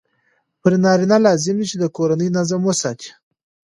پر نارینه لازم دی چې د کورني نظم وساتي.